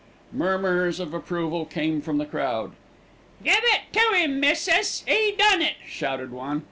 Murmurs of approval came from the crowd. "Give it to 'im, missis, 'e done it," shouted one.